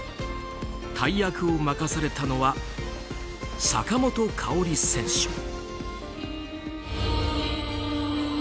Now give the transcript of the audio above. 大役を任されたのは坂本花織選手。